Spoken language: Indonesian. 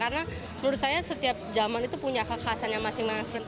karena menurut saya setiap zaman itu punya kekhasan yang masing masing